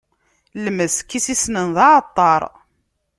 Lmesk i s-issnen, d aɛeṭṭaṛ.